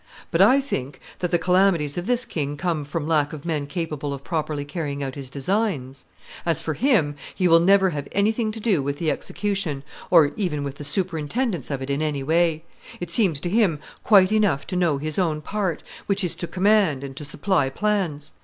But I think that the calamities of this king come from lack of men capable of properly carrying out his designs. As for him, he will never have anything to do with the execution, or even with the superintendence of it in any way; it seems to him quite enough to know his own part, which is to command and to supply plans.